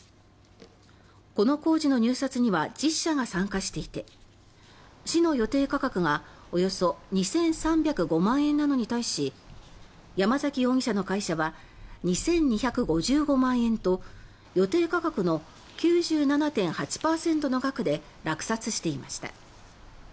この工事の入札には１０社が参加していて市の予定価格がおよそ２３０５万円なのに対し山崎容疑者の会社は２２５５万円と予定価格の９７．８％の額で落札していました。